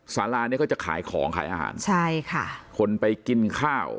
สาราเนี้ยเขาจะขายของขายอาหารใช่ค่ะคนไปกินข้าว